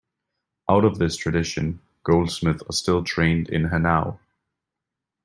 Out of this tradition, goldsmiths are still trained in Hanau.